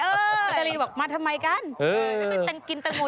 นาตาลีบอกมาทำไมกัน